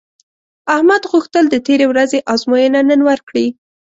احمد غوښتل د تېرې ورځې ازموینه نن ورکړي